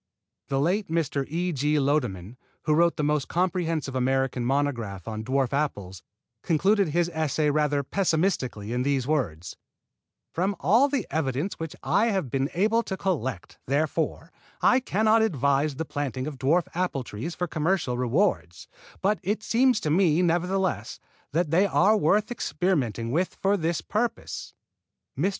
The late Mr. E. G. Lodeman, who wrote the most comprehensive American monograph on dwarf apples, concluded his essay rather pessimistically in these words: "From all the evidence which I have been able to collect, therefore, I cannot advise the planting of dwarf apple trees for commercial rewards, but it seems to me, nevertheless, that they are worth experimenting with for this purpose." Mr.